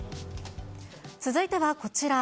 続いてはこちら。